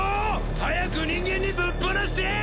早く人間にぶっぱなしてえ！